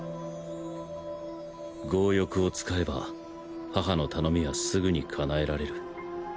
剛翼を使えば母の頼みはすぐに叶えられる。